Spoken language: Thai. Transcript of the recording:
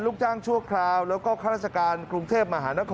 ลูกจ้างชั่วคราวและก็ฮกรุงเทพฯ